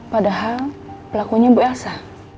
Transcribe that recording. padahal pelakunya bu elsa